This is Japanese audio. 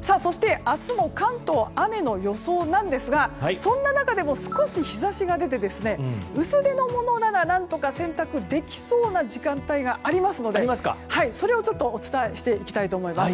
そして、明日も関東雨の予想なんですがそんな中でも少し日差しが出て薄手のものなら何とか洗濯できそうな時間帯がありますのでそれをお伝えしていきたいと思います。